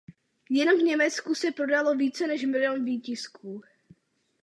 Jen v Německu se prodalo více než milion výtisků.